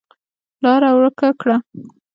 لاره ورکه کړه.